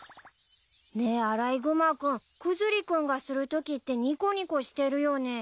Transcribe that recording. ねえアライグマ君クズリ君がするときってにこにこしてるよね。